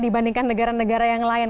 dibandingkan negara negara yang lain